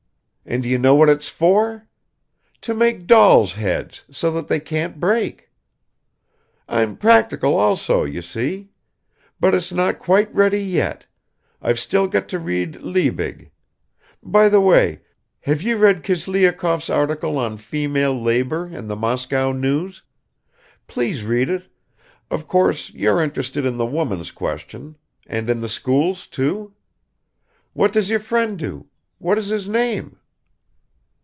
And do you know what it's for? To make dolls' heads, so that they can't break. I'm practical also, you see. But it's not quite ready yet. I've still got to read Liebig. By the way, have you read Kislyakov's article on female labor in the Moscow News? Please read it. Of course you're interested in the woman's question and in the schools, too? What does your friend do? What is his name?"